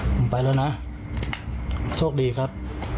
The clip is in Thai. ผมไปแล้วนะโชคดีครับ